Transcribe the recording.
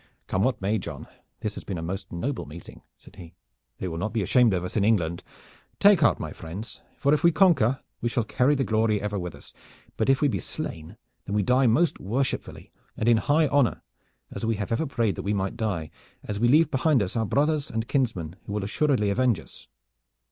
"Come what may, John, this has been a most noble meeting," said he. "They will not be ashamed of us in England. Take heart, my friends, for if we conquer we shall carry the glory ever with us; but if we be slain then we die most worshipfully and in high honor, as we have ever prayed that we might die, and we leave behind us our brothers and kinsmen who will assuredly avenge us.